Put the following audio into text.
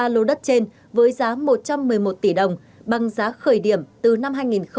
ba lô đất trên với giá một trăm một mươi một tỷ đồng bằng giá khởi điểm từ năm hai nghìn một mươi bảy